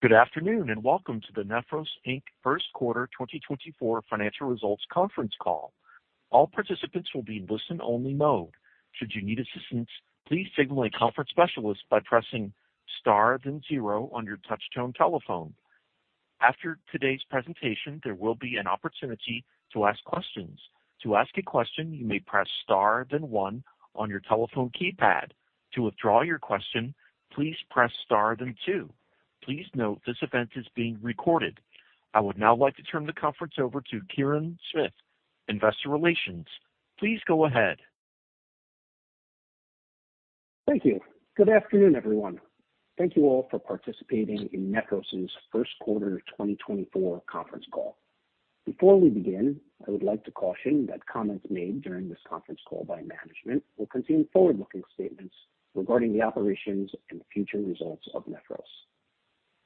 Good afternoon and welcome to the Nephros, Inc. First Quarter 2024 Financial Results Conference Call. All participants will be in listen-only mode. Should you need assistance, please signal a conference specialist by pressing star then zero on your touch tone telephone. After today's presentation, there will be an opportunity to ask questions. To ask a question, you may press star then one on your telephone keypad. To withdraw your question, please press star then two. Please note this event is being recorded. I would now like to turn the conference over to Kirin Smith, Investor Relations. Please go ahead. Thank you. Good afternoon, everyone. Thank you all for participating in Nephros's First Quarter 2024 Conference Call. Before we begin, I would like to caution that comments made during this conference call by management will contain forward-looking statements regarding the operations and future results of Nephros.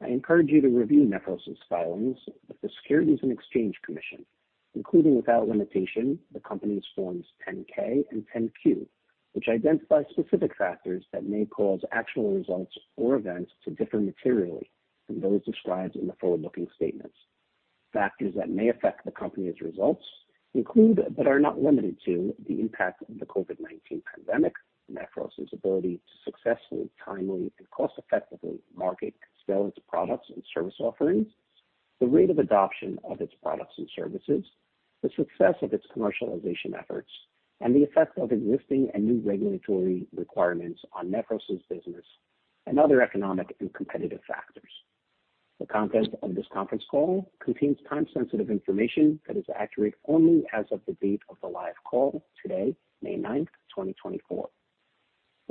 I encourage you to review Nephros's filings with the Securities and Exchange Commission, including without limitation the company's forms 10-K and 10-Q, which identify specific factors that may cause actual results or events to differ materially from those described in the forward-looking statements. Factors that may affect the company's results include but are not limited to the impact of the COVID-19 pandemic, Nephros's ability to successfully, timely, and cost-effectively market, sell its products and service offerings, the rate of adoption of its products and services, the success of its commercialization efforts, and the effect of existing and new regulatory requirements on Nephros's business and other economic and competitive factors. The content of this conference call contains time-sensitive information that is accurate only as of the date of the live call today, May 9th, 2024.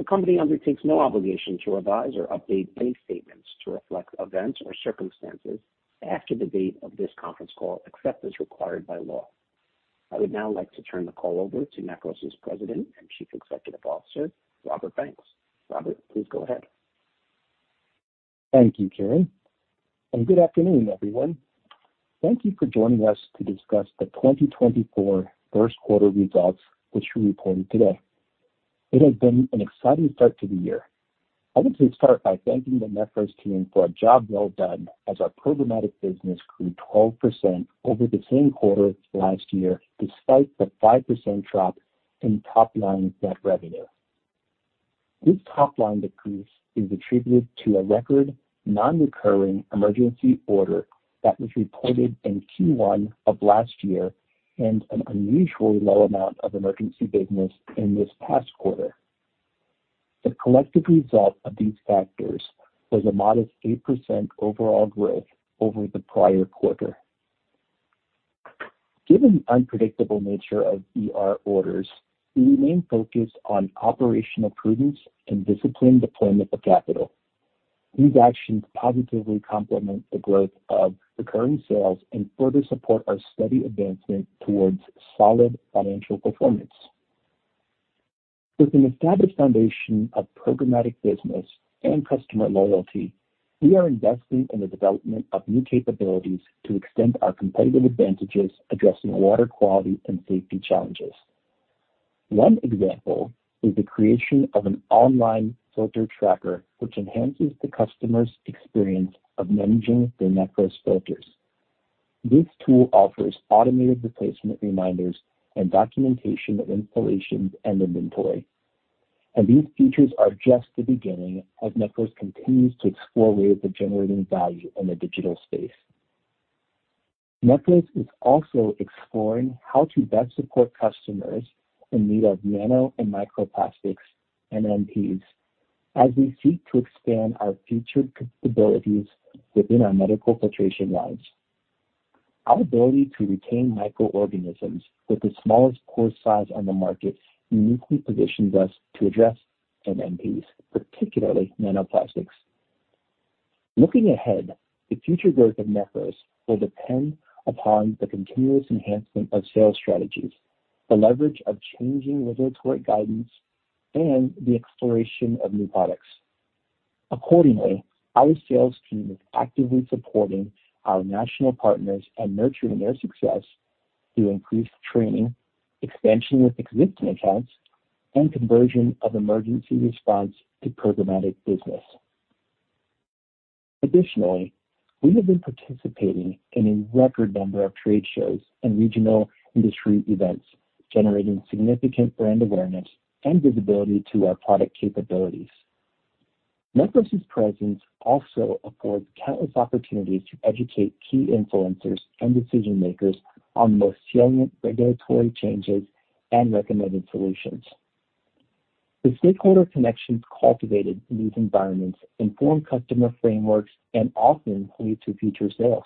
The company undertakes no obligation to revise or update bank statements to reflect events or circumstances after the date of this conference call except as required by law. I would now like to turn the call over to Nephros' President and Chief Executive Officer, Robert Banks. Robert, please go ahead. Thank you, Kirin. Good afternoon, everyone. Thank you for joining us to discuss the 2024 first quarter results which we reported today. It has been an exciting start to the year. I would say start by thanking the Nephros team for a job well done as our programmatic business grew 12% over the same quarter last year despite the 5% drop in top-line net revenue. This top-line decrease is attributed to a record non-recurring emergency order that was reported in Q1 of last year and an unusually low amount of emergency business in this past quarter. The collective result of these factors was a modest 8% overall growth over the prior quarter. Given the unpredictable nature of ER orders, we remain focused on operational prudence and disciplined deployment of capital. These actions positively complement the growth of recurring sales and further support our steady advancement towards solid financial performance. With an established foundation of programmatic business and customer loyalty, we are investing in the development of new capabilities to extend our competitive advantages addressing water quality and safety challenges. One example is the creation of an online filter tracker which enhances the customer's experience of managing their Nephros filters. This tool offers automated replacement reminders and documentation of installations and inventory. These features are just the beginning as Nephros continues to explore ways of generating value in the digital space. Nephros is also exploring how to best support customers in need of nano and microplastics NMPs as we seek to expand our featured capabilities within our medical filtration lines. Our ability to retain microorganisms with the smallest pore size on the market uniquely positions us to address NMPs, particularly nanoplastics. Looking ahead, the future growth of Nephros will depend upon the continuous enhancement of sales strategies, the leverage of changing regulatory guidance, and the exploration of new products. Accordingly, our sales team is actively supporting our national partners and nurturing their success through increased training, expansion with existing accounts, and conversion of emergency response to programmatic business. Additionally, we have been participating in a record number of trade shows and regional industry events generating significant brand awareness and visibility to our product capabilities. Nephros' presence also affords countless opportunities to educate key influencers and decision-makers on the most salient regulatory changes and recommended solutions. The stakeholder connections cultivated in these environments inform customer frameworks and often lead to future sales.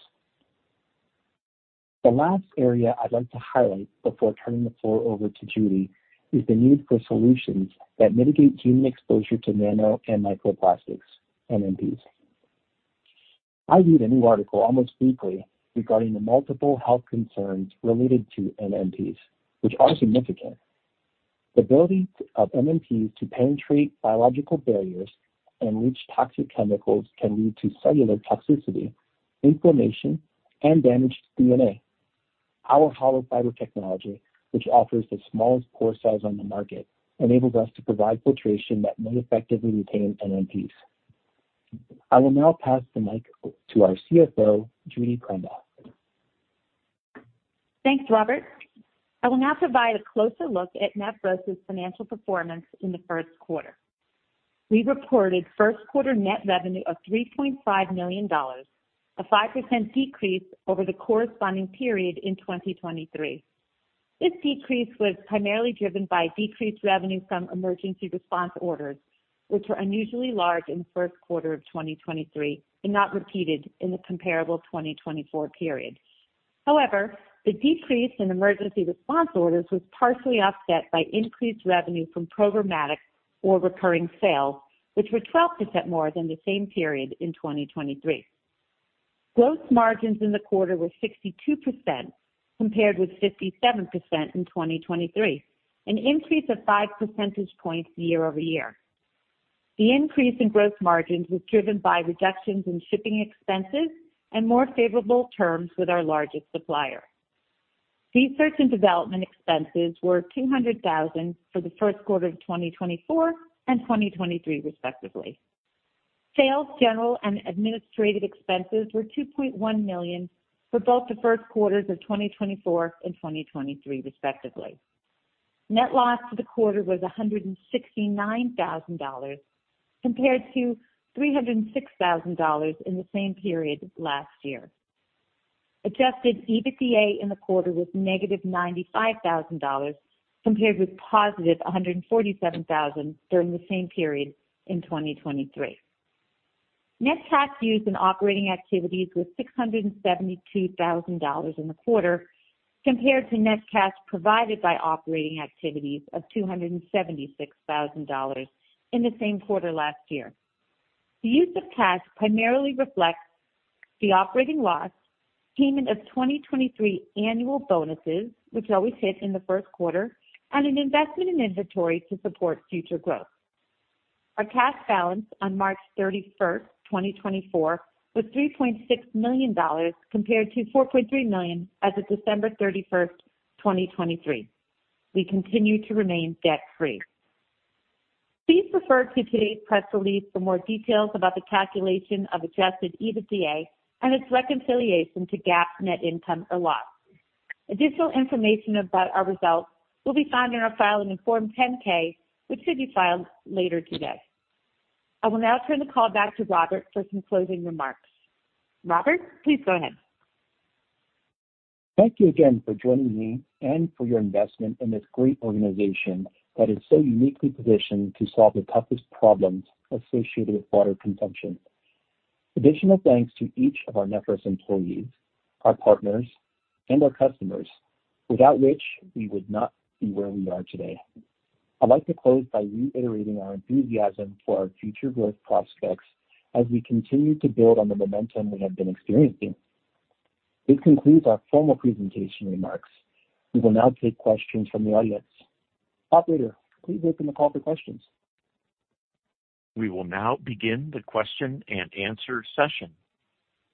The last area I'd like to highlight before turning the floor over to Judy is the need for solutions that mitigate human exposure to nano and microplastics NMPs. I read a new article almost weekly regarding the multiple health concerns related to NMPs, which are significant. The ability of NMPs to penetrate biological barriers and leach toxic chemicals can lead to cellular toxicity, inflammation, and damaged DNA. Our hollow-fiber technology, which offers the smallest pore size on the market, enables us to provide filtration that may effectively retain NMPs. I will now pass the mic to our CFO, Judy Krandel. Thanks, Robert. I will now provide a closer look at Nephros' financial performance in the first quarter. We reported first quarter net revenue of $3.5 million, a 5% decrease over the corresponding period in 2023. This decrease was primarily driven by decreased revenue from emergency response orders, which were unusually large in the first quarter of 2023 and not repeated in the comparable 2024 period. However, the decrease in emergency response orders was partially offset by increased revenue from programmatic or recurring sales, which were 12% more than the same period in 2023. Gross margins in the quarter were 62% compared with 57% in 2023, an increase of five percentage points year-over-year. The increase in gross margins was driven by reductions in shipping expenses and more favorable terms with our largest supplier. Research and development expenses were $200,000 for the first quarter of 2024 and 2023, respectively. Sales, general, and administrative expenses were $2.1 million for both the first quarters of 2024 and 2023, respectively. Net loss for the quarter was $169,000 compared to $306,000 in the same period last year. Adjusted EBITDA in the quarter was -$95,000 compared with +$147,000 during the same period in 2023. Net cash used in operating activities was $672,000 in the quarter compared to net cash provided by operating activities of $276,000 in the same quarter last year. The use of cash primarily reflects the operating loss, payment of 2023 annual bonuses, which always hit in the first quarter, and an investment in inventory to support future growth. Our cash balance on March 31st, 2024, was $3.6 million compared to $4.3 million as of December 31st, 2023. We continue to remain debt-free. Please refer to today's press release for more details about the calculation of adjusted EBITDA and its reconciliation to GAAP net income or loss. Additional information about our results will be found in our Form 10-K filing, which should be filed later today. I will now turn the call back to Robert for some closing remarks. Robert, please go ahead. Thank you again for joining me and for your investment in this great organization that is so uniquely positioned to solve the toughest problems associated with water consumption. Additional thanks to each of our Nephros employees, our partners, and our customers, without which we would not be where we are today. I'd like to close by reiterating our enthusiasm for our future growth prospects as we continue to build on the momentum we have been experiencing. This concludes our formal presentation remarks. We will now take questions from the audience. Operator, please open the call for questions. We will now begin the question and answer session.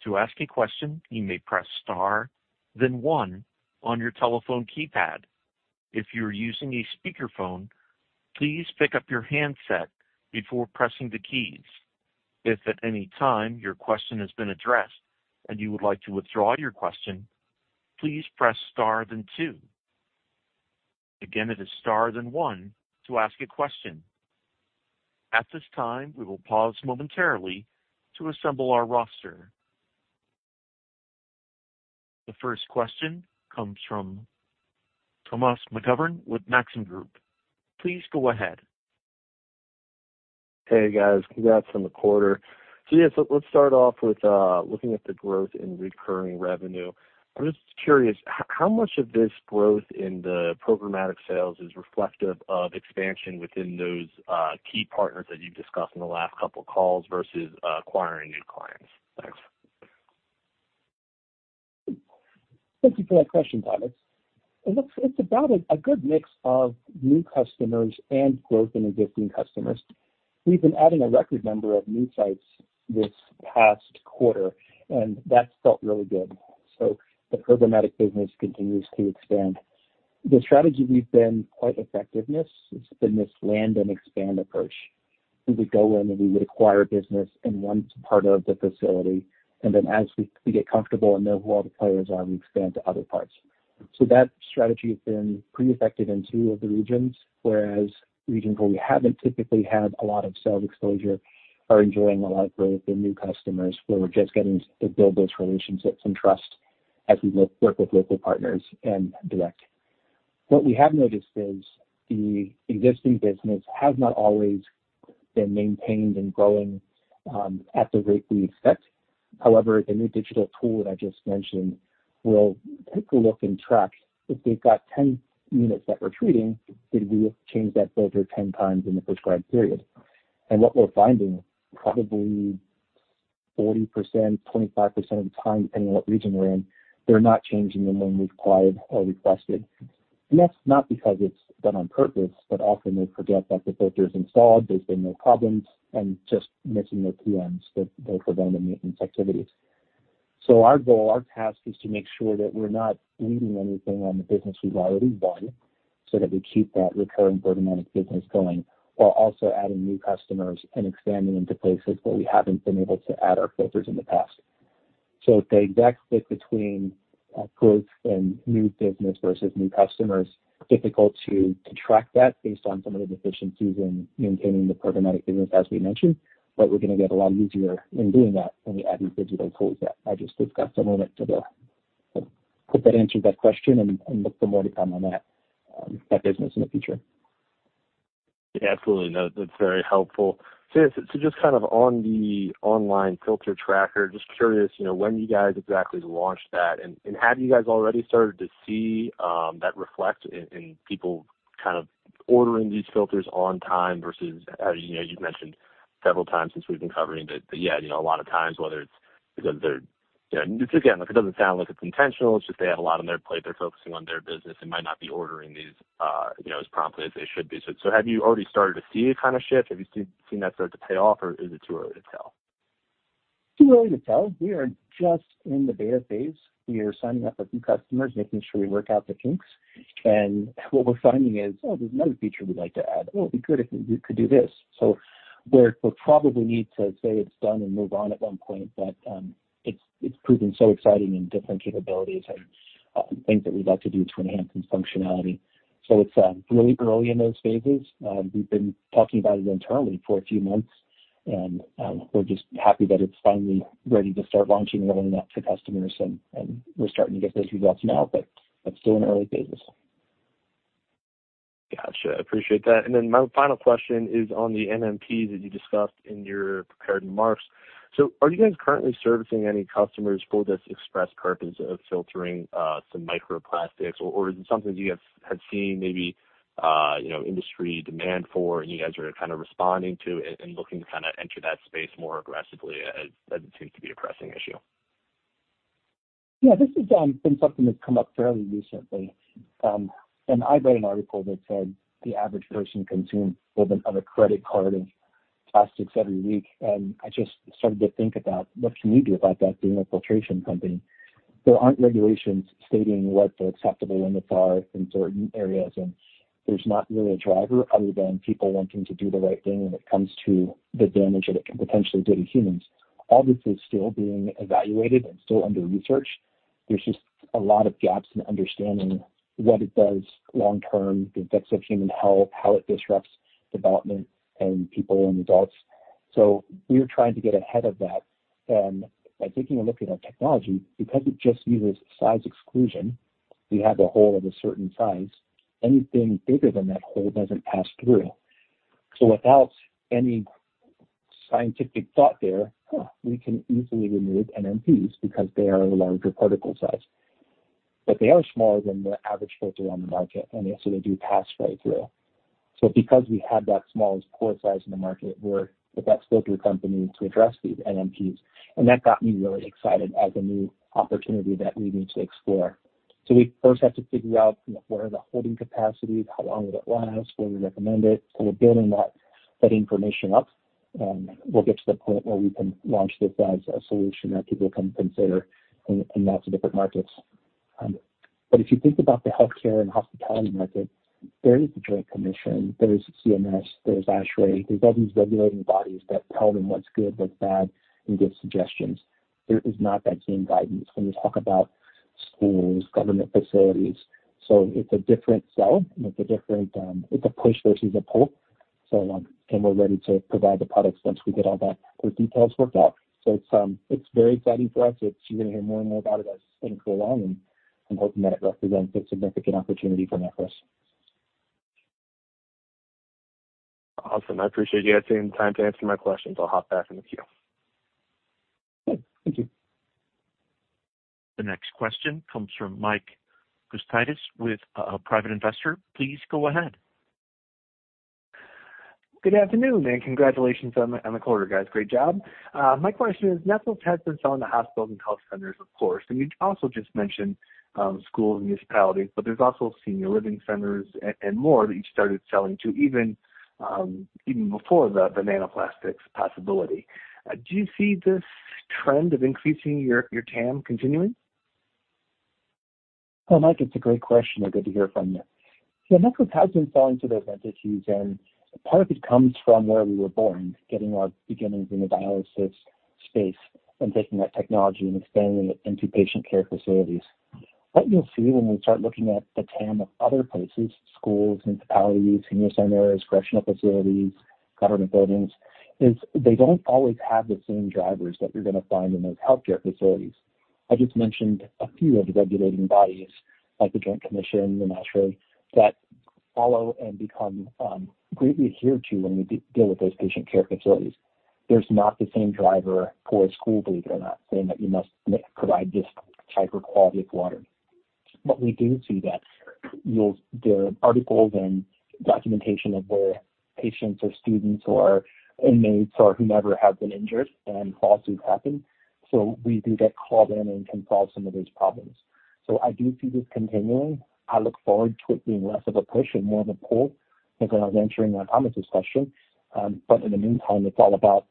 To ask a question, you may press star then one on your telephone keypad. If you are using a speakerphone, please pick up your handset before pressing the keys. If at any time your question has been addressed and you would like to withdraw your question, please press star then two. Again, it is star then one to ask a question. At this time, we will pause momentarily to assemble our roster. The first question comes from Thomas McGovern with Maxim Group. Please go ahead. Hey, guys. Congrats on the quarter. So yes, let's start off with looking at the growth in recurring revenue. I'm just curious, how much of this growth in the programmatic sales is reflective of expansion within those key partners that you've discussed in the last couple of calls versus acquiring new clients? Thanks. Thank you for that question, Thomas. It's about a good mix of new customers and growth in existing customers. We've been adding a record number of new sites this past quarter, and that's felt really good. So the programmatic business continues to expand. The strategy we've been quite effective with has been this land and expand approach. We would go in and we would acquire business in one part of the facility, and then as we get comfortable and know who all the players are, we expand to other parts. So that strategy has been pretty effective in two of the regions, whereas regions where we haven't typically had a lot of sales exposure are enjoying a lot of growth and new customers where we're just getting to build those relationships and trust as we work with local partners and direct. What we have noticed is the existing business has not always been maintained and growing at the rate we expect. However, the new digital tool that I just mentioned will take a look and track if they've got 10 units that we're treating, did we change that filter 10 times in the prescribed period? And what we're finding, probably 40%, 25% of the time, depending on what region we're in, they're not changing them when we've acquired or requested. And that's not because it's done on purpose, but often they forget that the filter is installed, there's been no problems, and just missing their PMs that go for vendor maintenance activities. So our goal, our task is to make sure that we're not leaving anything on the business we've already won so that we keep that recurring programmatic business going while also adding new customers and expanding into places where we haven't been able to add our filters in the past. So it's the exact flip between growth and new business versus new customers. Difficult to track that based on some of the deficiencies in maintaining the programmatic business. As we mentioned, but we're going to get a lot easier in doing that when we add these digital tools that I just discussed a moment. To put that answer to that question and look for more to come on that business in the future. Yeah, absolutely. No, that's very helpful. So yes, so just kind of on the online filter tracker, just curious when you guys exactly launched that? And have you guys already started to see that reflect in people kind of ordering these filters on time versus as you've mentioned several times since we've been covering that? Yeah, a lot of times, whether it's because they're again, it doesn't sound like it's intentional. It's just they have a lot on their plate. They're focusing on their business and might not be ordering these as promptly as they should be. So have you already started to see a kind of shift? Have you seen that start to pay off, or is it too early to tell? Too early to tell. We are just in the beta phase. We are signing up a few customers, making sure we work out the kinks. And what we're finding is, "Oh, there's another feature we'd like to add. Oh, it'd be good if we could do this." So we'll probably need to say it's done and move on at one point, but it's proven so exciting in different capabilities and things that we'd like to do to enhance its functionality. So it's really early in those phases. We've been talking about it internally for a few months, and we're just happy that it's finally ready to start launching and rolling out to customers. And we're starting to get those results now, but that's still in early phases. Gotcha. I appreciate that. And then my final question is on the NMPs that you discussed in your prepared remarks. So are you guys currently servicing any customers for this express purpose of filtering some microplastics? Or is it something that you guys have seen maybe industry demand for and you guys are kind of responding to and looking to kind of enter that space more aggressively as it seems to be a pressing issue? Yeah, this has been something that's come up fairly recently. I read an article that said the average person consumes a credit card's worth of plastics every week. I just started to think about what can we do about that being a filtration company? There aren't regulations stating what the acceptable limits are in certain areas, and there's not really a driver other than people wanting to do the right thing when it comes to the damage that it can potentially do to humans. All this is still being evaluated and still under research. There's just a lot of gaps in understanding what it does long term, the effects of human health, how it disrupts development and people and adults. We are trying to get ahead of that. By taking a look at our technology, because it just uses size exclusion, we have a hole of a certain size. Anything bigger than that hole doesn't pass through. So without any scientific thought there, we can easily remove NMPs because they are a larger particle size. But they are smaller than the average filter on the market, and yes, they do pass right through. So because we have that smallest pore size in the market, we're with that filter company to address these NMPs. And that got me really excited as a new opportunity that we need to explore. So we first have to figure out where are the holding capacities, how long would it last, where we recommend it. So we're building that information up. We'll get to the point where we can launch this as a solution that people can consider in lots of different markets. But if you think about the healthcare and hospitality market, there is the Joint Commission, there is CMS, there is ASHRAE. There's all these regulating bodies that tell them what's good, what's bad, and give suggestions. There is not that same guidance when you talk about schools, government facilities. So it's a different sell, and it's a different push versus a pull. So we're ready to provide the products once we get all that details worked out. So it's very exciting for us. You're going to hear more and more about it as things go along, and I'm hoping that it represents a significant opportunity for Nephros. Awesome. I appreciate you guys taking the time to answer my questions. I'll hop back in the queue. Good. Thank you. The next question comes from Mike Gustitis with a private investor. Please go ahead. Good afternoon, and congratulations on the quarter, guys. Great job. My question is, Nephros has been selling to hospitals and health centers, of course. You also just mentioned schools and municipalities, but there's also senior living centers and more that you started selling to even before the nanoplastics possibility. Do you see this trend of increasing your TAM continuing? Oh, Mike, it's a great question. Good to hear from you. Yeah, Nephros has been selling to those entities, and part of it comes from where we were born, getting our beginnings in the dialysis space and taking that technology and expanding it into patient care facilities. What you'll see when we start looking at the TAM of other places, schools, municipalities, senior centers, correctional facilities, government buildings, is they don't always have the same drivers that you're going to find in those healthcare facilities. I just mentioned a few of the regulating bodies like the Joint Commission and ASHRAE that follow and become greatly adhered to when we deal with those patient care facilities. There's not the same driver for a school, believe it or not, saying that you must provide this type of quality of water. But we do see that there are articles and documentation of where patients or students or inmates or whomever have been injured and lawsuits happen. So we do get called in and can solve some of those problems. So I do see this continuing. I look forward to it being less of a push and more of a pull as I was answering Thomas's question. But in the meantime, it's all about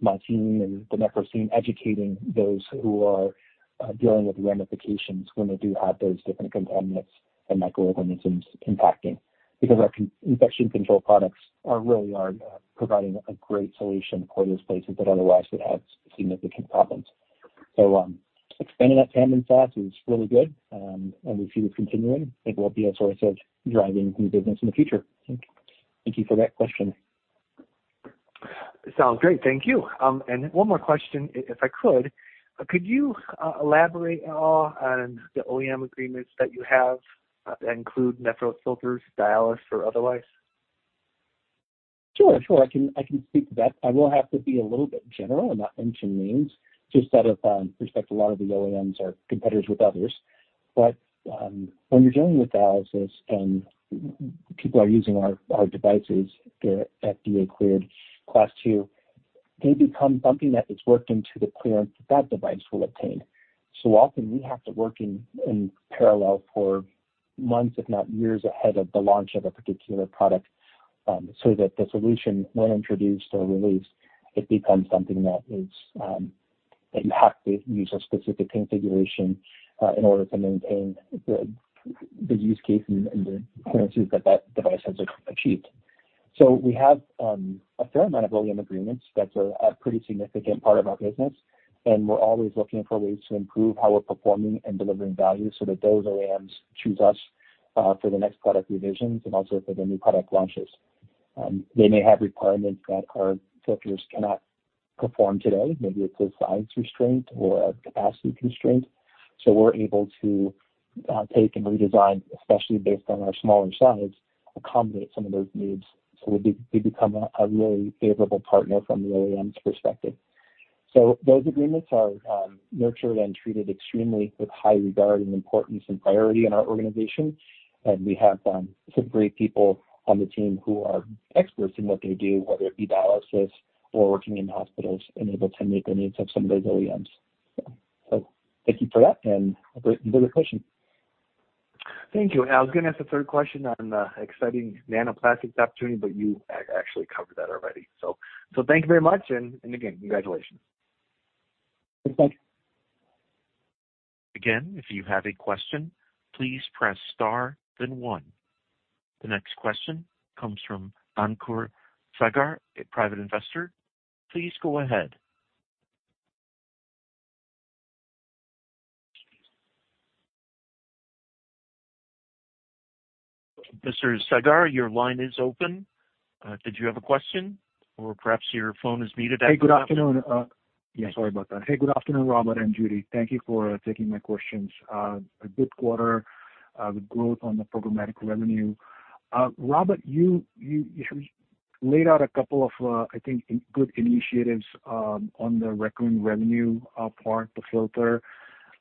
my team and the Nephros team educating those who are dealing with ramifications when they do have those different contaminants and microorganisms impacting because our infection control products really are providing a great solution for those places that otherwise would have significant problems. So expanding that TAM and [SASis really good, and we see this continuing. It will be a source of driving new business in the future. Thank you for that question. Sounds great. Thank you. One more question, if I could. Could you elaborate at all on the OEM agreements that you have that include Nephros filters, dialysis, or otherwise? Sure. Sure. I can speak to that. I will have to be a little bit general and not mention names just out of respect. A lot of the OEMs are competitors with others. But when you're dealing with dialysis and people are using our devices, the FDA-cleared Class II, they become something that is worked into the clearance that that device will obtain. So often, we have to work in parallel for months, if not years, ahead of the launch of a particular product so that the solution, when introduced or released, it becomes something that you have to use a specific configuration in order to maintain the use case and the clearances that that device has achieved. So we have a fair amount of OEM agreements. That's a pretty significant part of our business, and we're always looking for ways to improve how we're performing and delivering value so that those OEMs choose us for the next product revisions and also for the new product launches. They may have requirements that our filters cannot perform today. Maybe it's a size restraint or a capacity constraint. So we're able to take and redesign, especially based on our smaller size, accommodate some of those needs. So we become a really favorable partner from the OEM's perspective. So those agreements are nurtured and treated extremely with high regard and importance and priority in our organization. And we have some great people on the team who are experts in what they do, whether it be dialysis or working in hospitals, and able to meet the needs of some of those OEMs. So thank you for that and enjoy the question. Thank you. And I was going to ask a third question on the exciting nanoplastics opportunity, but you actually covered that already. So thank you very much. And again, congratulations. Thanks, Mike. Again, if you have a question, please press star, then one. The next question comes from Ankur Sagar, a private investor. Please go ahead. Mr. Sagar, your line is open. Did you have a question, or perhaps your phone is muted at this point? Hey, good afternoon. Yeah, sorry about that. Hey, good afternoon, Robert and Judy. Thank you for taking my questions. A good quarter with growth on the programmatic revenue. Robert, you laid out a couple of, I think, good initiatives on the recurring revenue part, the filter.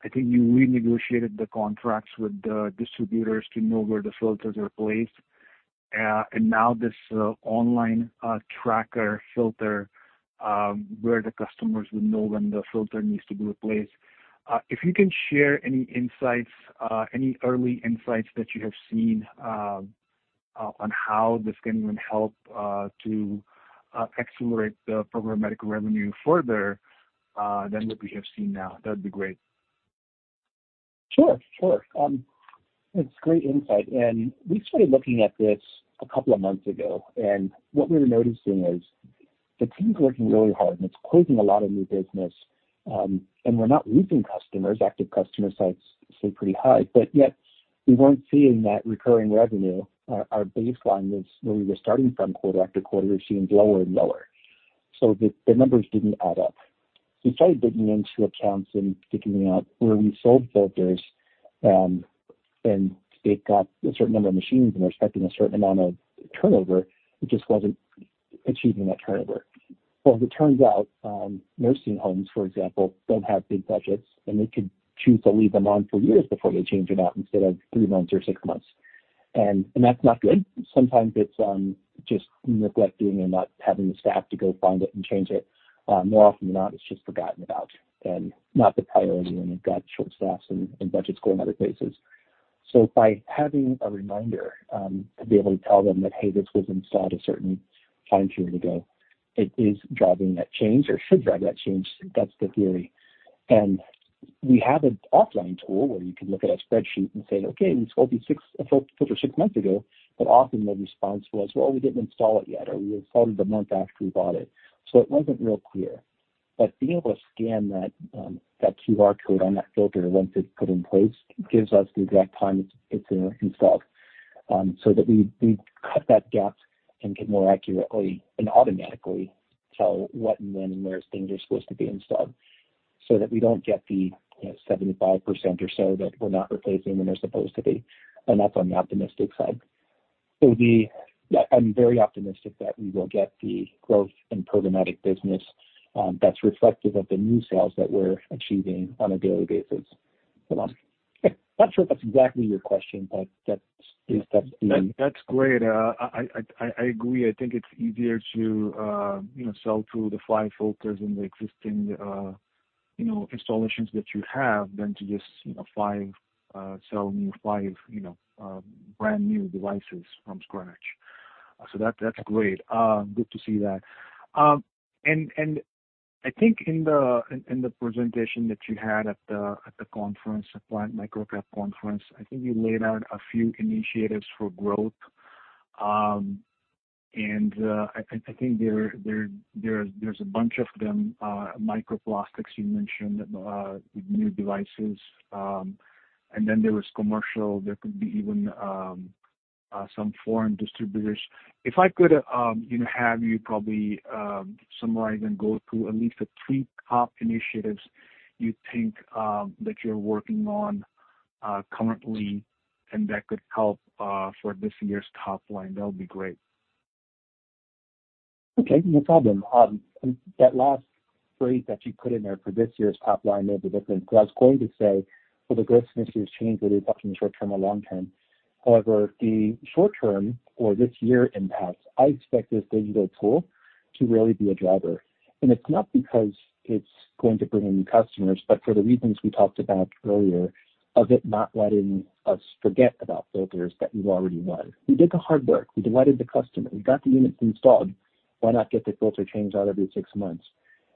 I think you renegotiated the contracts with the distributors to know where the filters are placed. And now this online tracker filter where the customers would know when the filter needs to be replaced. If you can share any insights, any early insights that you have seen on how this can even help to accelerate the programmatic revenue further than what we have seen now, that'd be great. Sure. Sure. It's great insight. We started looking at this a couple of months ago. What we were noticing is the team's working really hard, and it's closing a lot of new business. We're not losing customers. Active customer sites stay pretty high. But yet, we weren't seeing that recurring revenue. Our baseline was where we were starting from quarter after quarter is seeing lower and lower. So the numbers didn't add up. So we started digging into accounts and figuring out where we sold filters, and they've got a certain number of machines, and they're expecting a certain amount of turnover. It just wasn't achieving that turnover. Well, as it turns out, nursing homes, for example, don't have big budgets, and they could choose to leave them on for years before they change it out instead of three months or six months. And that's not good. Sometimes it's just neglecting and not having the staff to go find it and change it. More often than not, it's just forgotten about and not the priority when they've got short staffs and budgets going other places. By having a reminder to be able to tell them that, "Hey, this was installed a certain time period ago," it is driving that change or should drive that change. That's the theory. We have an offline tool where you can look at a spreadsheet and say, "Okay, we sold this filter six months ago." But often, the response was, "Well, we didn't install it yet," or, "We installed it a month after we bought it." So it wasn't real clear. But being able to scan that QR code on that filter once it's put in place gives us the exact time it's installed so that we cut that gap and can more accurately and automatically tell what and when and where things are supposed to be installed so that we don't get the 75% or so that we're not replacing when they're supposed to be. And that's on the optimistic side. So I'm very optimistic that we will get the growth in programmatic business that's reflective of the new sales that we're achieving on a daily basis. Hold on. Okay. Not sure if that's exactly your question, but that's the. That's great. I agree. I think it's easier to sell through the five filters and the existing installations that you have than to just sell new five brand-new devices from scratch. So that's great. Good to see that. I think in the presentation that you had at the conference, the Planet MicroCap Conference, you laid out a few initiatives for growth. I think there's a bunch of them. Microplastics, you mentioned, with new devices. And then there was commercial. There could be even some foreign distributors. If I could have you probably summarize and go through at least the three top initiatives you think that you're working on currently and that could help for this year's top line, that would be great. Okay. No problem. That last phrase that you put in there for this year's top line made the difference because I was going to say, "Well, the growth initiatives change, but you're talking short-term or long-term." However, the short-term or this year impacts, I expect this digital tool to really be a driver. And it's not because it's going to bring in new customers, but for the reasons we talked about earlier of it not letting us forget about filters that we've already won. We did the hard work. We delighted the customer. We got the units installed. Why not get the filter changed out every six months?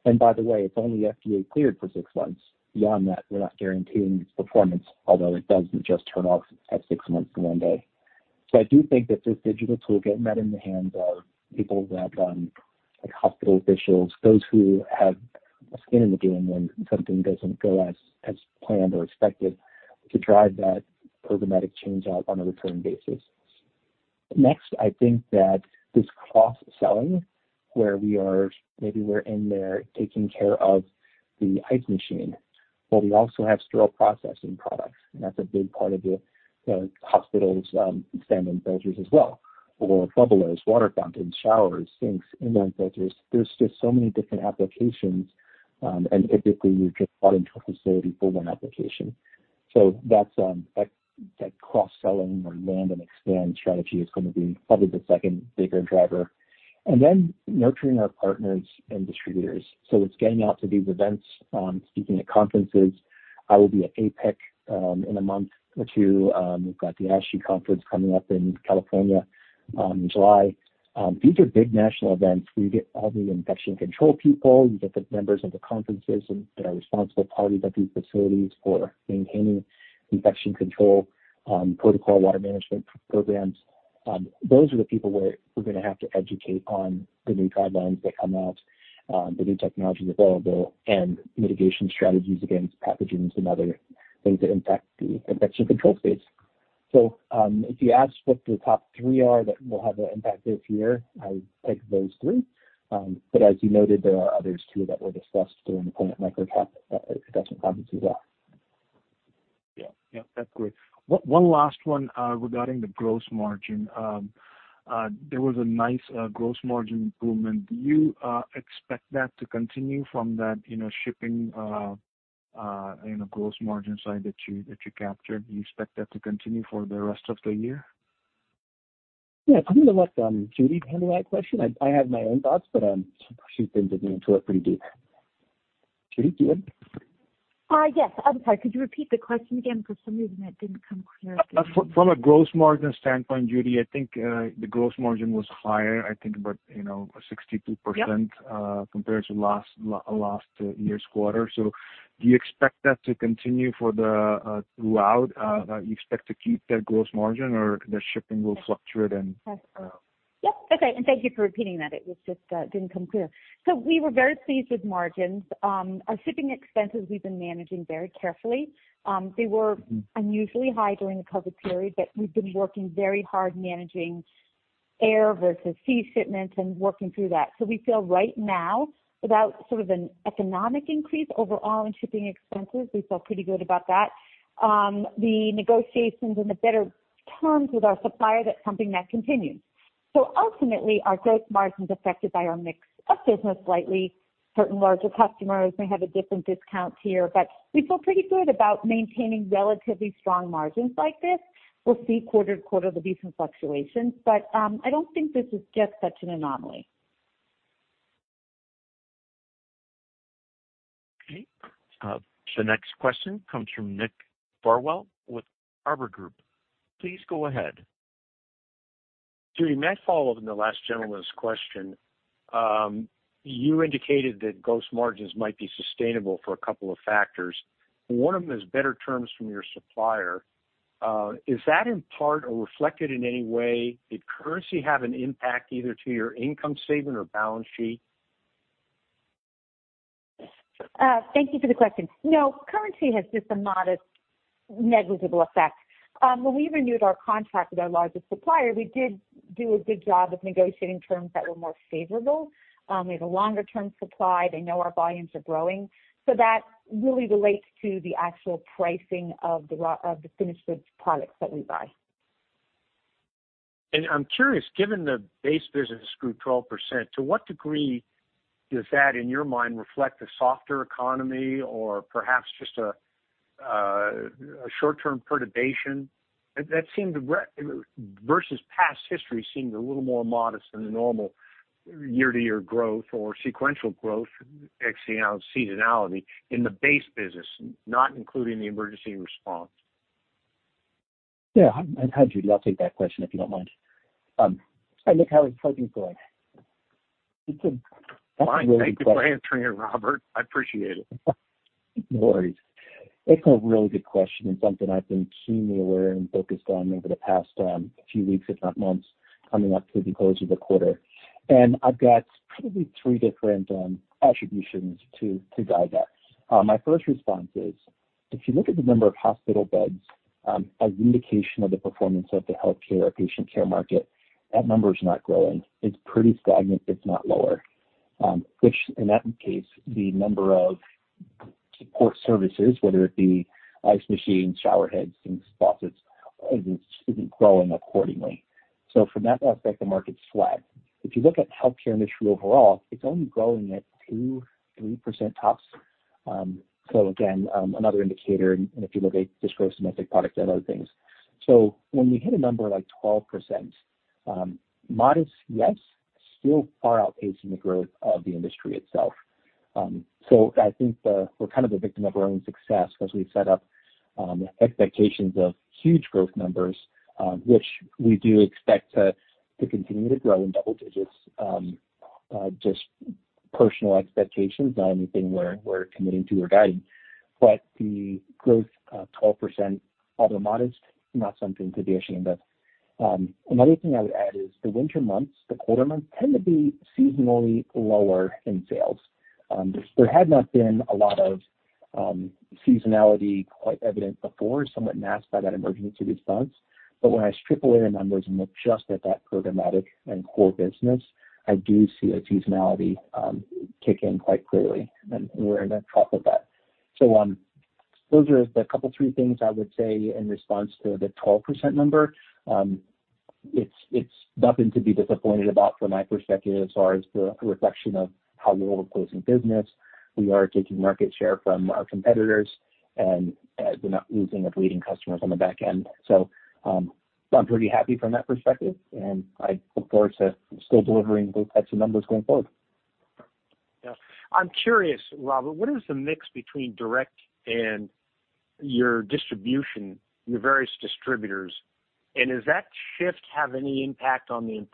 And by the way, it's only FDA-cleared for six months. Beyond that, we're not guaranteeing its performance, although it doesn't just turn off at six months in one day. So I do think that this digital tool getting that in the hands of people like hospital officials, those who have a skin in the game when something doesn't go as planned or expected to drive that programmatic change out on a recurring basis. Next, I think that this cross-selling where maybe we're in there taking care of the ice machine; well, we also have sterile processing products. And that's a big part of the hospitals' standard inline filters as well or bubblers, water fountains, showers, sinks, inline filters. There's just so many different applications. And typically, you're just brought into a facility for one application. So that cross-selling or land-and-expand strategy is going to be probably the second bigger driver. And then nurturing our partners and distributors. So it's getting out to these events, speaking at conferences. I will be at APIC in a month or two. We've got the ASHE conference coming up in California in July. These are big national events. We get all the infection control people. You get the members of the conferences that are responsible parties at these facilities for maintaining infection control, protocol, water management programs. Those are the people where we're going to have to educate on the new guidelines that come out, the new technologies available, and mitigation strategies against pathogens and other things that impact the infection control space. So if you ask what the top three are that will have an impact this year, I would take those through. But as you noted, there are others too that were discussed during the Planet MicroCap Conference as well. Yeah. Yeah. That's great. One last one regarding the gross margin. There was a nice gross margin improvement. Do you expect that to continue from that shipping gross margin side that you captured? Do you expect that to continue for the rest of the year? Yeah. I'm going to let Judy handle that question. I have my own thoughts, but she's been digging into it pretty deep. Judy, do you want to? Yes. I'm sorry. Could you repeat the question again? For some reason, it didn't come clear. From a gross margin standpoint, Judy, I think the gross margin was higher, I think, about 62% compared to last year's quarter. So do you expect that to continue throughout? You expect to keep that gross margin, or the shipping will fluctuate and? Yep. Okay. And thank you for repeating that. It just didn't come clear. So we were very pleased with margins. Our shipping expenses, we've been managing very carefully. They were unusually high during the COVID period, but we've been working very hard managing air versus sea shipment and working through that. So we feel right now, without sort of an economic increase overall in shipping expenses, we feel pretty good about that. The negotiations and the better terms with our supplier, that's something that continues. So ultimately, our gross margin's affected by our mix of business slightly. Certain larger customers may have a different discount here, but we feel pretty good about maintaining relatively strong margins like this. We'll see quarter-to-quarter there'll be some fluctuations, but I don't think this is just such an anomaly. Okay. The next question comes from Nick Farwell with Arbor Group. Please go ahead. Judy, may I follow up on the last gentleman's question? You indicated that gross margins might be sustainable for a couple of factors. One of them is better terms from your supplier. Is that in part or reflected in any way? Did currency have an impact either to your income statement or balance sheet? Thank you for the question. No. Currency has just a modest, negligible effect. When we renewed our contract with our largest supplier, we did do a good job of negotiating terms that were more favorable. We have a longer-term supply. They know our volumes are growing. So that really relates to the actual pricing of the finished goods products that we buy. I'm curious, given the base business grew 12%, to what degree does that, in your mind, reflect a softer economy or perhaps just a short-term perturbation? Versus past history seemed a little more modest than the normal year-to-year growth or sequential growth, seasonality in the base business, not including the emergency response. Yeah. I'd love to take that question if you don't mind. Hi, Nick. How are things going? That's a really good question. Fine. Thank you for answering it, Robert. I appreciate it. No worries. It's a really good question and something I've been keenly aware and focused on over the past few weeks, if not months, coming up to the closure of the quarter. I've got probably three different attributions to guide that. My first response is, if you look at the number of hospital beds as an indication of the performance of the healthcare or patient care market, that number is not growing. It's pretty stagnant. It's not lower, which in that case, the number of support services, whether it be ice machines, showerheads, sinks, faucets, isn't growing accordingly. From that aspect, the market's flat. If you look at healthcare industry overall, it's only growing at 2%-3% tops. Again, another indicator. If you look at just gross domestic product, there are other things. So when we hit a number like 12%, modest, yes, still far outpacing the growth of the industry itself. So I think we're kind of a victim of our own success because we've set up expectations of huge growth numbers, which we do expect to continue to grow in double digits, just personal expectations, not anything we're committing to or guiding. But the growth of 12%, although modest, not something to be ashamed of. Another thing I would add is the winter months, the quarter months tend to be seasonally lower in sales. There had not been a lot of seasonality quite evident before, somewhat masked by that emergency response. But when I strip away the numbers and look just at that programmatic and core business, I do see a seasonality kick in quite clearly, and we're in the trough of that. Those are the couple three things I would say in response to the 12% number. It's nothing to be disappointed about from my perspective as far as the reflection of how low we're closing business. We are taking market share from our competitors, and we're not losing of leading customers on the back end. I'm pretty happy from that perspective, and I look forward to still delivering those types of numbers going forward. Yeah. I'm curious, Robert, what is the mix between direct and your distribution, your various distributors? And does that shift have any impact on the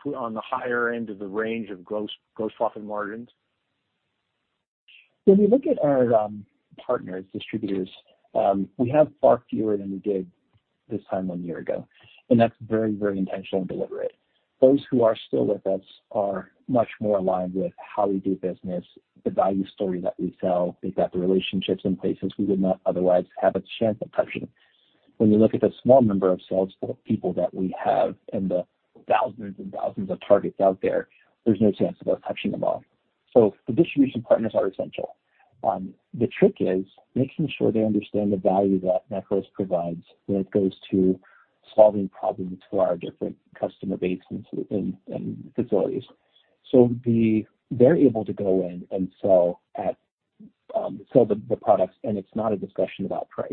higher end of the range of gross profit margins? When we look at our partners, distributors, we have far fewer than we did this time one year ago, and that's very, very intentional and deliberate. Those who are still with us are much more aligned with how we do business, the value story that we sell. They've got the relationships in places we would not otherwise have a chance of touching. When you look at the small number of salespeople that we have and the thousands and thousands of targets out there, there's no chance of us touching them all. So the distribution partners are essential. The trick is making sure they understand the value that Nephros provides when it goes to solving problems for our different customer bases and facilities. So they're able to go in and sell the products, and it's not a discussion about price.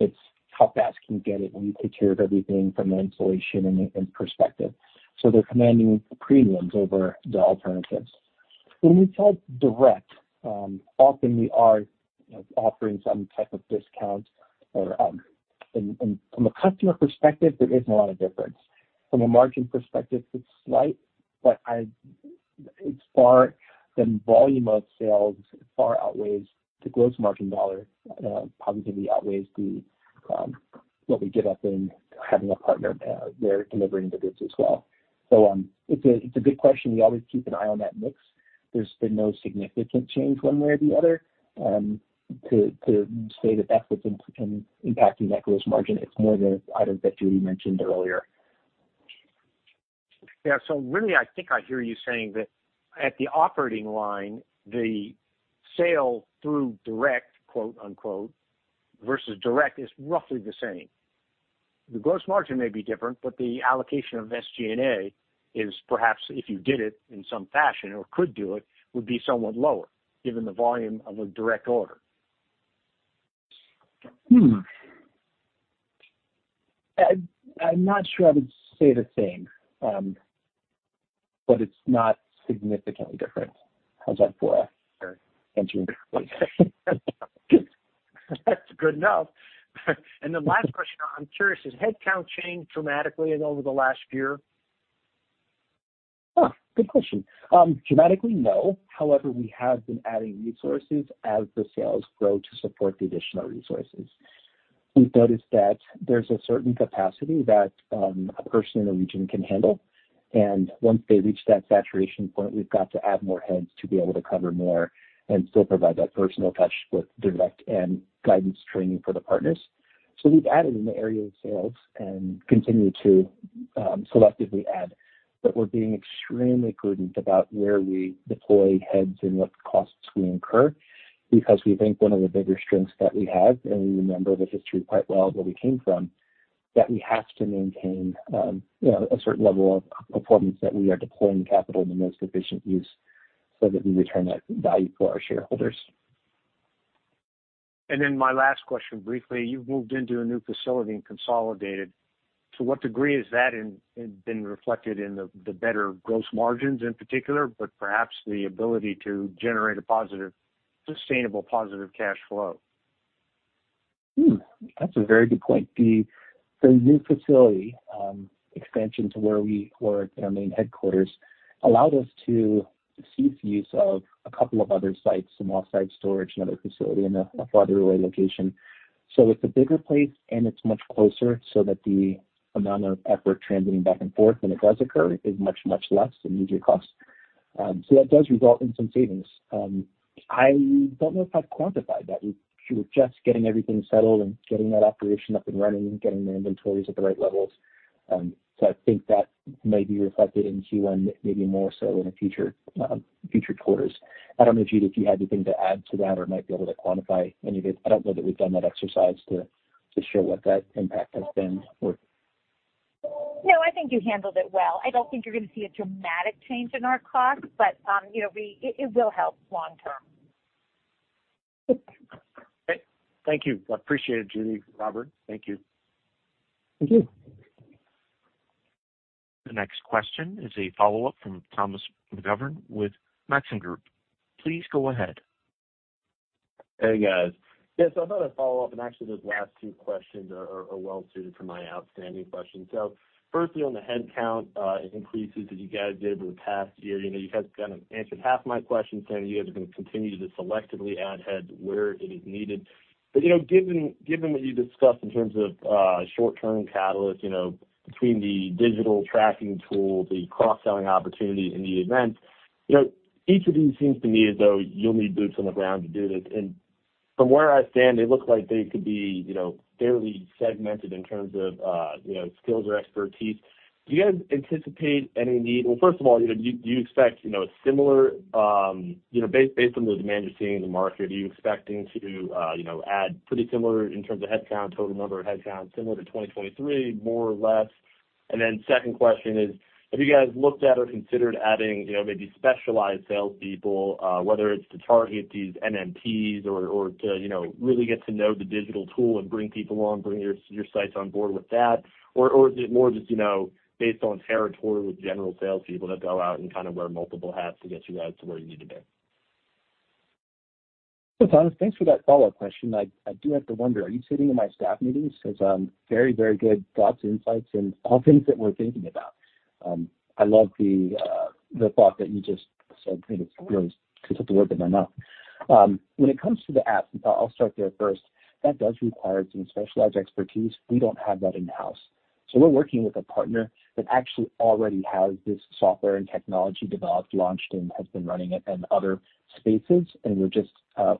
It's how fast can you get it when you take care of everything from an installation and perspective? So they're commanding premiums over the alternatives. When we sell direct, often, we are offering some type of discount. And from a customer perspective, there isn't a lot of difference. From a margin perspective, it's slight, but the volume of sales far outweighs the gross margin dollar, positively outweighs what we get up in having a partner there delivering the goods as well. So it's a good question. We always keep an eye on that mix. There's been no significant change one way or the other. To say that that's what's impacting that gross margin, it's more the items that Judy mentioned earlier. Yeah. So really, I think I hear you saying that at the operating line, the sale through "direct" versus direct is roughly the same. The gross margin may be different, but the allocation of SG&A is perhaps, if you did it in some fashion or could do it, would be somewhat lower given the volume of a direct order. I'm not sure I would say the same, but it's not significantly different. How's that for answering your question? That's good enough. The last question I'm curious is, has headcount changed dramatically over the last year? Good question. Dramatically, no. However, we have been adding resources as the sales grow to support the additional resources. We've noticed that there's a certain capacity that a person in the region can handle. Once they reach that saturation point, we've got to add more heads to be able to cover more and still provide that personal touch with direct and guidance training for the partners. We've added in the area of sales and continue to selectively add. We're being extremely prudent about where we deploy heads and what costs we incur because we think one of the bigger strengths that we have, and we remember the history quite well where we came from, that we have to maintain a certain level of performance that we are deploying capital in the most efficient use so that we return that value for our shareholders. My last question, briefly, you've moved into a new facility and consolidated. To what degree has that been reflected in the better gross margins in particular, but perhaps the ability to generate a sustainable positive cash flow? That's a very good point. The new facility expansion to where we were at our main headquarters allowed us to cease use of a couple of other sites, some offsite storage, another facility in a farther away location. So it's a bigger place, and it's much closer so that the amount of effort transiting back and forth when it does occur is much, much less and easier cost. So that does result in some savings. I don't know if I've quantified that. We're just getting everything settled and getting that operation up and running and getting the inventories at the right levels. So I think that may be reflected in Q1, maybe more so in the future quarters. I don't know, Judy, if you had anything to add to that or might be able to quantify any of it. I don't know that we've done that exercise to show what that impact has been. No, I think you handled it well. I don't think you're going to see a dramatic change in our costs, but it will help long term. Okay. Thank you. I appreciate it, Judy. Robert, thank you. Thank you. The next question is a follow-up from Thomas McGovern with Maxim Group. Please go ahead. Hey, guys. Yeah, I thought I'd follow up. Actually, those last two questions are well-suited for my outstanding question. Firstly, on the headcount increases that you guys did over the past year, you guys kind of answered half of my question saying that you guys are going to continue to selectively add heads where it is needed. But given what you discussed in terms of short-term catalysts between the digital tracking tool, the cross-selling opportunity, and the events, each of these seems to me as though you'll need boots on the ground to do this. From where I stand, they look like they could be fairly segmented in terms of skills or expertise. Do you guys anticipate any need? Well, first of all, do you expect a similar based on the demand you're seeing in the market, are you expecting to add pretty similar in terms of headcount, total number of headcount, similar to 2023, more or less? And then second question is, have you guys looked at or considered adding maybe specialized salespeople, whether it's to target these NMPs or to really get to know the digital tool and bring people on, bring your sites on board with that? Or is it more just based on territory with general salespeople that go out and kind of wear multiple hats to get you guys to where you need to be? Well, Thomas, thanks for that follow-up question. I do have to wonder, are you sitting in my staff meetings? It's very, very good thoughts, insights, and all things that we're thinking about. I love the thought that you just said. I think it really took the words out of my mouth. When it comes to the apps, and I'll start there first, that does require some specialized expertise. We don't have that in-house. So we're working with a partner that actually already has this software and technology developed, launched, and has been running it in other spaces. And we're just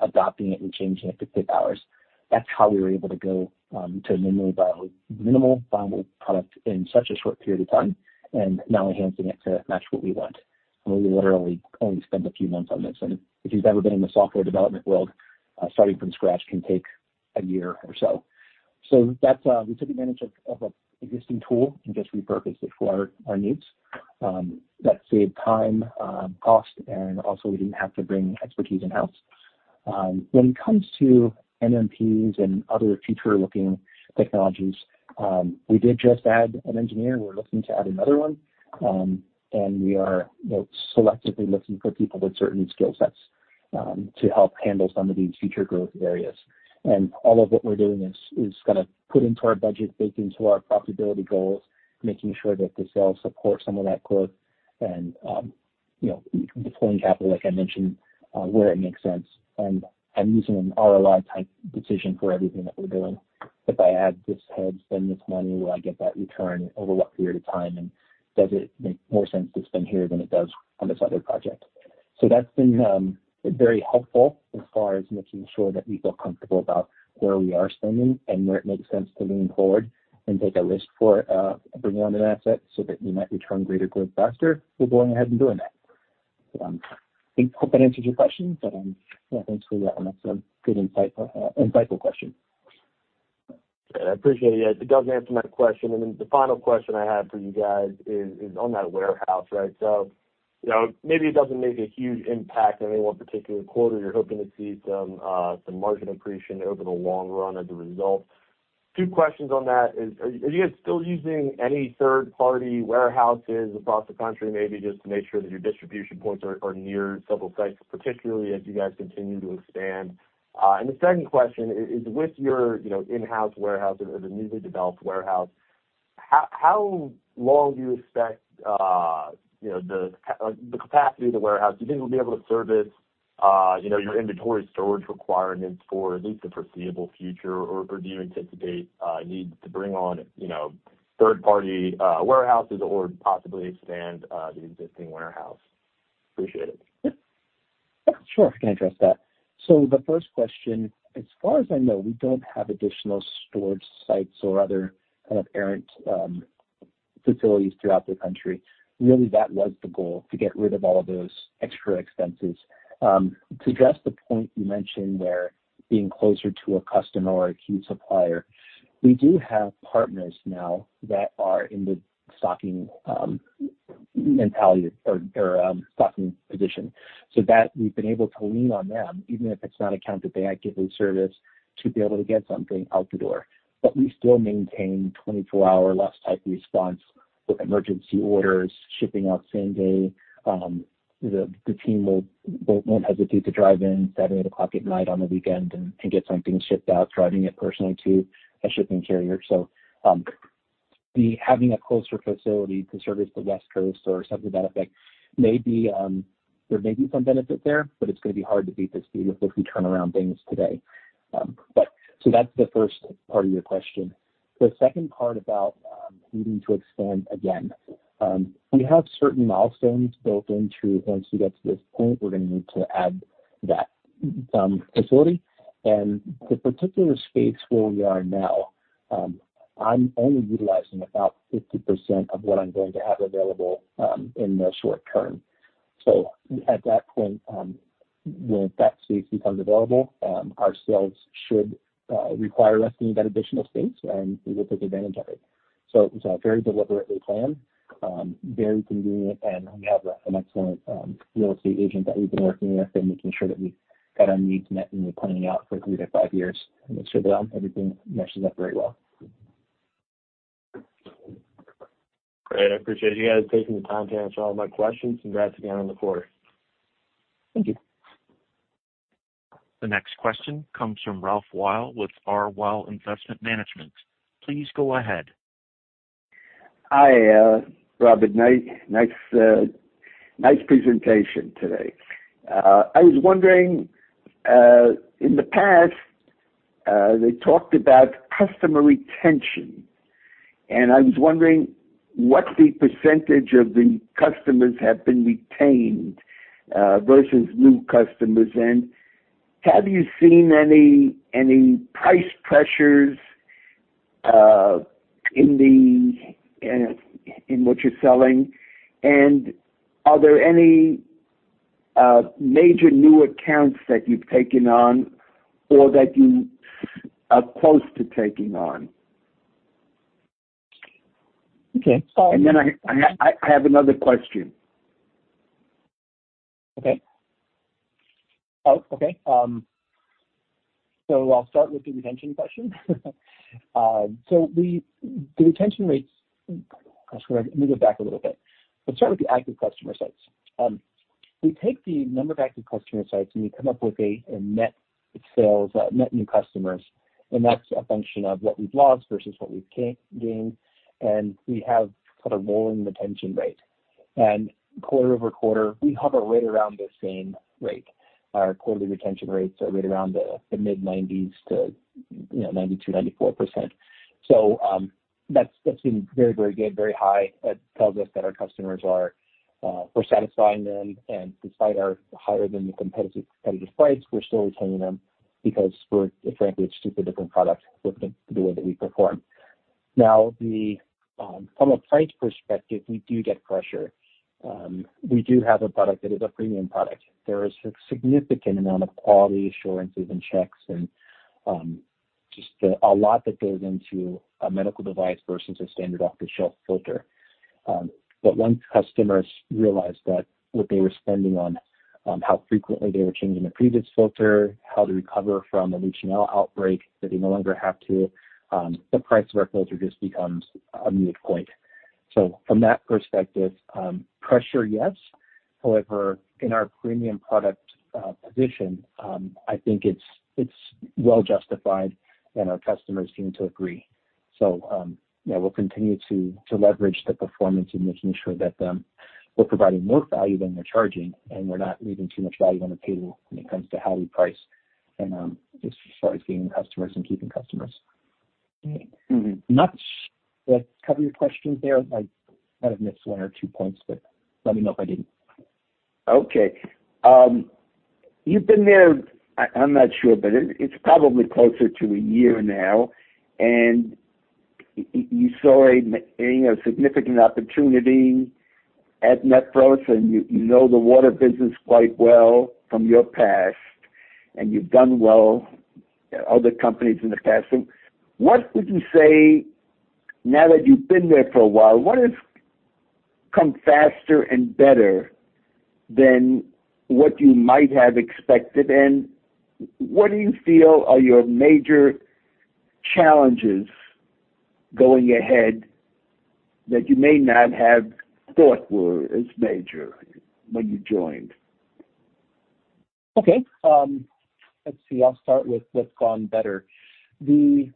adopting it and changing it to fit ours. That's how we were able to go to a minimally viable product in such a short period of time and now enhancing it to match what we want. And we literally only spend a few months on this. If you've ever been in the software development world, starting from scratch can take a year or so. We took advantage of an existing tool and just repurposed it for our needs. That saved time, cost, and also, we didn't have to bring expertise in-house. When it comes to NMPs and other future-looking technologies, we did just add an engineer. We're looking to add another one. We are selectively looking for people with certain skill sets to help handle some of these future growth areas. All of what we're doing is kind of put into our budget, baked into our profitability goals, making sure that the sales support some of that growth and deploying capital, like I mentioned, where it makes sense. I'm using an ROI-type decision for everything that we're doing. If I add this head, spend this money, will I get that return over what period of time? And does it make more sense to spend here than it does on this other project? So that's been very helpful as far as making sure that we feel comfortable about where we are spending and where it makes sense to lean forward and take a risk for bringing on an asset so that we might return greater growth faster. We're going ahead and doing that. So I hope that answers your question. But yeah, thanks for that. And that's a good insightful question. Good. I appreciate it. Yeah. It does answer my question. And then the final question I have for you guys is on that warehouse, right? So maybe it doesn't make a huge impact in any one particular quarter. You're hoping to see some margin accretion over the long run as a result. Two questions on that. Are you guys still using any third-party warehouses across the country, maybe just to make sure that your distribution points are near several sites, particularly as you guys continue to expand? And the second question is, with your in-house warehouse or the newly developed warehouse, how long do you expect the capacity of the warehouse? Do you think it'll be able to service your inventory storage requirements for at least the foreseeable future? Or do you anticipate need to bring on third-party warehouses or possibly expand the existing warehouse? Appreciate it. Yeah. Sure. I can address that. So the first question, as far as I know, we don't have additional storage sites or other kind of rented facilities throughout the country. Really, that was the goal, to get rid of all of those extra expenses. To address the point you mentioned where being closer to a customer or a key supplier, we do have partners now that are in the stocking mentality or stocking position. So we've been able to lean on them, even if it's not a count day at give-way service, to be able to get something out the door. But we still maintain 24-hour lead-time response with emergency orders, shipping out same day. The team won't hesitate to drive in seven, eight o'clock at night on the weekend and get something shipped out, driving it personally to a shipping carrier. So having a closer facility to service the West Coast or something to that effect, there may be some benefit there, but it's going to be hard to beat the speed with which we turn around things today. So that's the first part of your question. The second part about needing to expand again, we have certain milestones built into once we get to this point, we're going to need to add that facility. And the particular space where we are now, I'm only utilizing about 50% of what I'm going to have available in the short term. So at that point, when that space becomes available, our sales should require us to need that additional space, and we will take advantage of it. So it was very deliberately planned, very convenient. We have an excellent real estate agent that we've been working with and making sure that we got our needs met when we're planning out for three to five years and make sure that everything meshes up very well. Great. I appreciate you guys taking the time to answer all of my questions. Congrats again on the quarter. Thank you. The next question comes from Ralph Weil with R Weil Investment Management. Please go ahead. Hi, Robert. Nice presentation today. I was wondering, in the past, they talked about customer retention. I was wondering what the percentage of the customers have been retained versus new customers. Have you seen any price pressures in what you're selling? Are there any major new accounts that you've taken on or that you are close to taking on? Then I have another question. Okay. Oh, okay. So I'll start with the retention question. The retention rates, gosh, let me go back a little bit. Let's start with the active customer sites. We take the number of active customer sites, and we come up with a net new customers. And that's a function of what we've lost versus what we've gained. And we have kind of a rolling retention rate. And quarter-over-quarter, we hover right around the same rate. Our quarterly retention rates are right around the mid-90% to 92%-94%. So that's been very, very good, very high. It tells us that our customers are, we're satisfying them. And despite our higher than the competitive price, we're still retaining them because, frankly, it's just a different product with the way that we perform. Now, from a price perspective, we do get pressure. We do have a product that is a premium product. There is a significant amount of quality assurances and checks and just a lot that goes into a medical device versus a standard off-the-shelf filter. But once customers realize what they were spending on, how frequently they were changing the previous filter, how to recover from a Legionella outbreak that they no longer have to, the price of our filter just becomes a moot point. So from that perspective, pressure, yes. However, in our premium product position, I think it's well justified, and our customers seem to agree. So yeah, we'll continue to leverage the performance in making sure that we're providing more value than we're charging, and we're not leaving too much value on the table when it comes to how we price and as far as gaining customers and keeping customers. Did I cover your questions there? I might have missed one or two points, but let me know if I didn't. Okay. You've been there, I'm not sure, but it's probably closer to a year now. And you saw a significant opportunity at Nephros, and you know the water business quite well from your past, and you've done well at other companies in the past. So what would you say now that you've been there for a while, what has come faster and better than what you might have expected? And what do you feel are your major challenges going ahead that you may not have thought were as major when you joined? Okay. Let's see. I'll start with what's gone better. The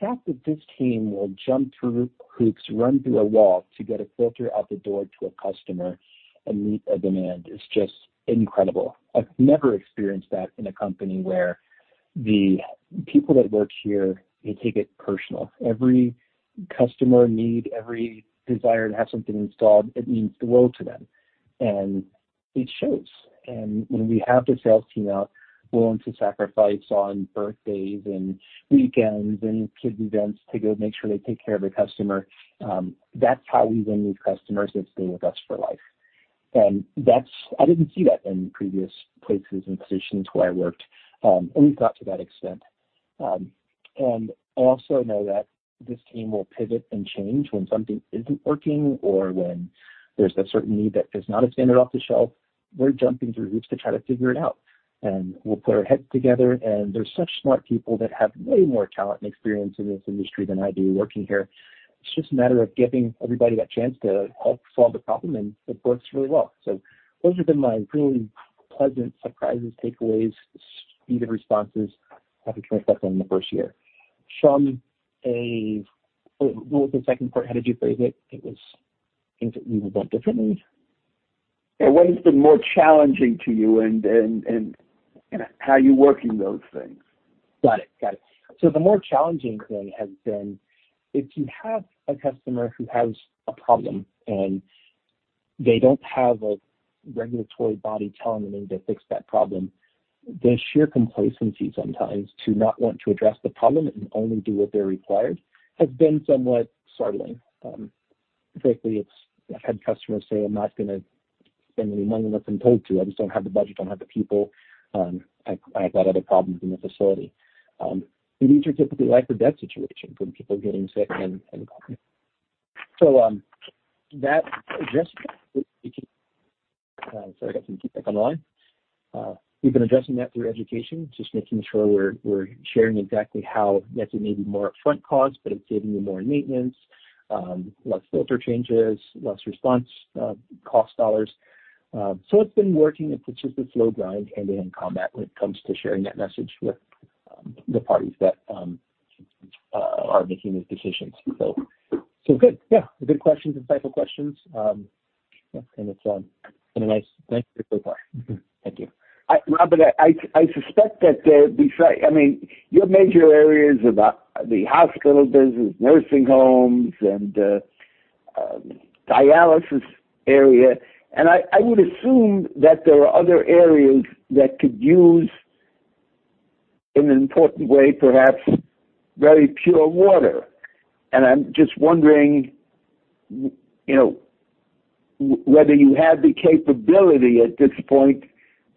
fact that this team will jump through hoops, run through a wall to get a filter out the door to a customer and meet a demand is just incredible. I've never experienced that in a company where the people that work here. They take it personal. Every customer need, every desire to have something installed. It means the world to them. It shows. When we have the sales team out, willing to sacrifice on birthdays and weekends and kids' events to go make sure they take care of a customer, that's how we win these customers that stay with us for life. I didn't see that in previous places and positions where I worked, at least not to that extent. And I also know that this team will pivot and change when something isn't working or when there's a certain need that is not a standard off-the-shelf. We're jumping through hoops to try to figure it out. And we'll put our heads together. And there's such smart people that have way more talent and experience in this industry than I do working here. It's just a matter of giving everybody that chance to help solve the problem. And it works really well. So those have been my really pleasant surprises, takeaways, speed of responses that we can reflect on in the first year. What was the second part? How did you phrase it? It was things that you would want differently? Yeah. What has been more challenging to you and how you're working those things? Got it. Got it. So the more challenging thing has been if you have a customer who has a problem, and they don't have a regulatory body telling them to fix that problem, the sheer complacency sometimes to not want to address the problem and only do what they're required has been somewhat startling. Frankly, I've had customers say, "I'm not going to spend any money unless I'm told to. I just don't have the budget. I don't have the people. I've got other problems in the facility." And these are typically life-or-death situations when people are getting sick, and so that addressing that. Sorry, I got some feedback on the line. We've been addressing that through education, just making sure we're sharing exactly how, yes, it may be more upfront costs, but it's saving you more in maintenance, less filter changes, less response cost dollars. So it's been working. It's just a slow grind, hand-to-hand combat when it comes to sharing that message with the parties that are making these decisions. Good. Yeah. Good questions, insightful questions. Yeah. It's been a nice thank you so far. Thank you. Robert, I suspect that I mean, your major areas are the hospital business, nursing homes, and dialysis area. And I would assume that there are other areas that could use in an important way, perhaps, very pure water. And I'm just wondering whether you have the capability at this point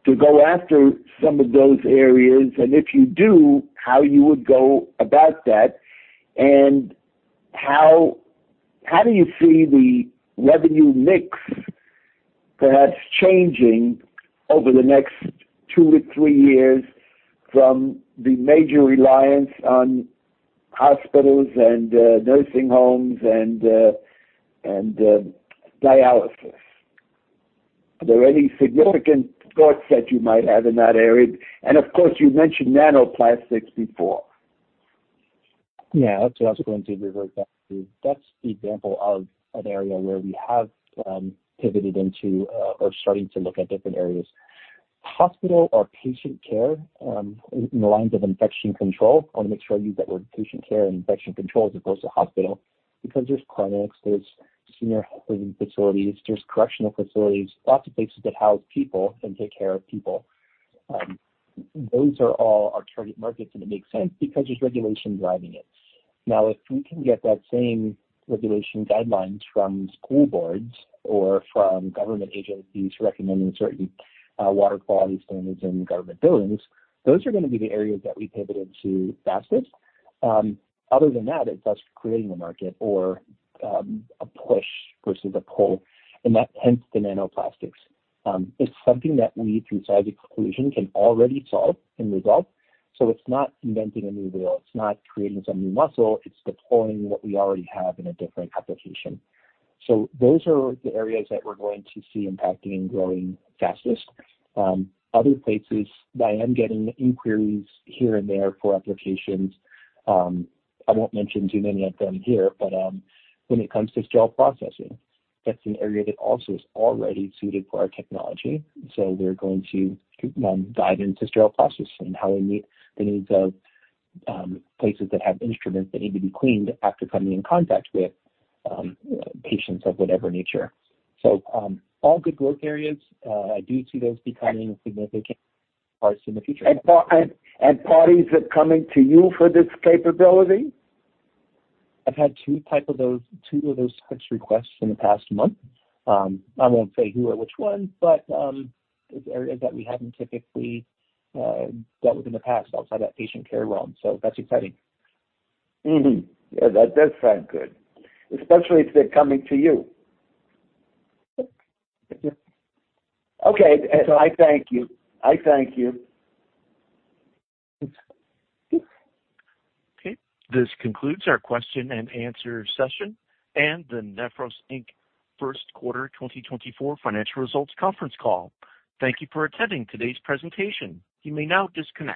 to go after some of those areas. And if you do, how you would go about that. And how do you see the revenue mix perhaps changing over the next two to three years from the major reliance on hospitals and nursing homes and dialysis? Are there any significant thoughts that you might have in that area? And of course, you mentioned nanoplastics before. Yeah. I was going to revert back to that. That's the example of an area where we have pivoted into or starting to look at different areas, hospital or patient care in the lines of infection control. I want to make sure I use that word, patient care and infection control, as opposed to hospital, because there's clinics, there's senior living facilities, there's correctional facilities, lots of places that house people and take care of people. Those are all our target markets. And it makes sense because there's regulation driving it. Now, if we can get that same regulation guidelines from school boards or from government agencies recommending certain water quality standards in government buildings, those are going to be the areas that we pivot into fastest. Other than that, it's us creating the market or a push versus a pull. And that tends to nanoplastics. It's something that we, through size exclusion, can already solve and resolve. So it's not inventing a new wheel. It's not creating some new muscle. It's deploying what we already have in a different application. So those are the areas that we're going to see impacting and growing fastest. Other places, I am getting inquiries here and there for applications. I won't mention too many of them here. But when it comes to sterile processing, that's an area that also is already suited for our technology. So we're going to dive into sterile processing and how we meet the needs of places that have instruments that need to be cleaned after coming in contact with patients of whatever nature. So all good growth areas. I do see those becoming significant parts in the future. Parties are coming to you for this capability? I've had two types of those two of those types of requests in the past month. I won't say who or which one, but it's areas that we haven't typically dealt with in the past outside that patient care realm. That's exciting. Yeah. That does sound good, especially if they're coming to you. Okay. I thank you. I thank you. Okay. This concludes our question and answer session and the Nephros, Inc., First Quarter 2024 Financial Results Conference Call. Thank you for attending today's presentation. You may now disconnect.